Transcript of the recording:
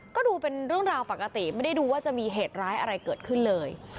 ก็ดูเป็นเรื่องราวปกติไม่ได้ดูว่าจะมีเหตุร้ายอะไรเกิดขึ้นเลย